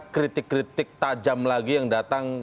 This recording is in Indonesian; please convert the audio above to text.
kritik kritik tajam lagi yang datang